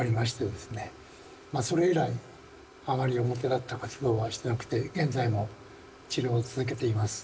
それ以来あまり表立った活動はしてなくて現在も治療を続けています。